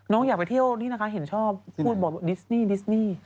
อยากไปเที่ยวนี่นะคะเห็นชอบพูดบอกดิสนี่ดิสนี่